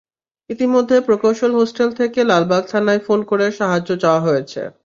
ইতিমধ্যে প্রকৌশল হোস্টেল থেকে লালবাগ থানায় ফোন করে সাহায্য চাওয়া হয়।